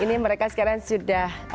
ini mereka sekarang sudah